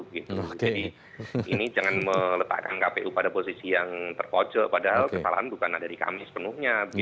jadi ini jangan meletakkan kpu pada posisi yang terpojok padahal kesalahan bukan ada di kami sepenuhnya